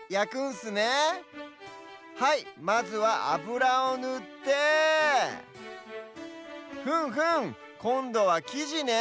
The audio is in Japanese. はいまずはあぶらをぬってふむふむこんどはきじね。